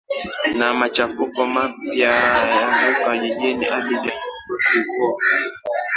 na machafuko mpya yazuka jijini abidjan cote de voire